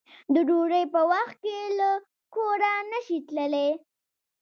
د ډوډۍ په وخت کې له کوره نشې تللی